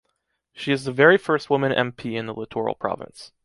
She is the very first woman MP in the Littoral Province.